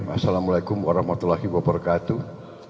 assalamualaikum warahmatullahi wabarakatuh